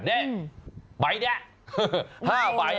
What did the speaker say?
นี่ไบ้นี่๕ไบ้